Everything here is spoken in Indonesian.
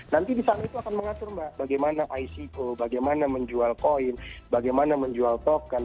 nanti di sana itu akan mengatur mbak bagaimana ico bagaimana menjual koin bagaimana menjual token